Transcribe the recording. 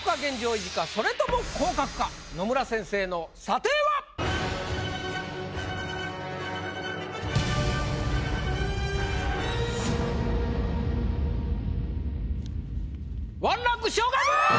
それとも降格か⁉野村先生の査定は⁉１ランク昇格！